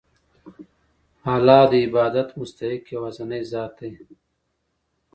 الله د عبادت مستحق یوازینی ذات دی.